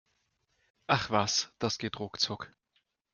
Ach was, das geht ruckzuck!